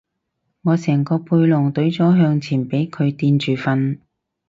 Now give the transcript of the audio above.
我成個背囊隊咗向前俾佢墊住瞓